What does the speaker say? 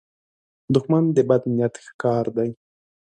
دښمن د بد نیت ښکار دی